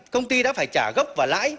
công ty đã phải trả gấp và lãi